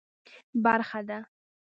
برخه ده.